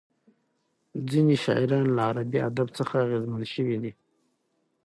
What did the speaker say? ځینې شاعران له عربي ادب څخه اغېزمن شوي دي.